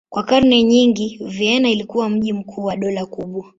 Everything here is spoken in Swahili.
Kwa karne nyingi Vienna ilikuwa mji mkuu wa dola kubwa.